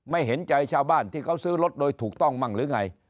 เห็นใจชาวบ้านที่เขาซื้อรถโดยถูกต้องมั่งหรือไง